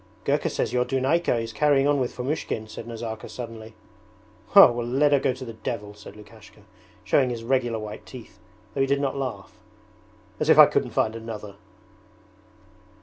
'Gurka says your Dunayka is carrying on with Fomushkin,' said Nazarka suddenly. 'Well, let her go to the devil,' said Lukashka, showing his regular white teeth, though he did not laugh. 'As if I couldn't find another!'